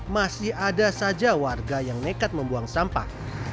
masih ada saja warga yang nekat membuang sampah